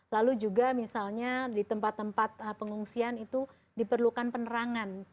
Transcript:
lalu juga misalnya di tempat tempat pengungsian itu diperlukan penerangan